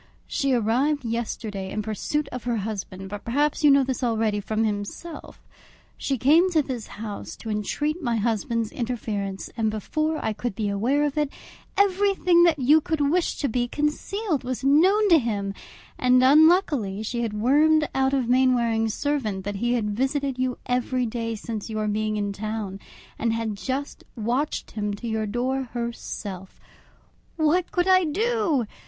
She arrived yesterday in pursuit of her husband, but perhaps you know this already from himself. She came to this house to entreat my husband's interference, and before I could be aware of it, everything that you could wish to be concealed was known to him, and unluckily she had wormed out of Mainwaring's servant that he had visited you every day since your being in town, and had just watched him to your door herself! What could I do!